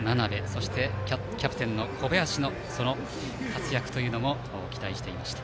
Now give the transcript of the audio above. そしてキャプテンの小林の活躍も期待していました。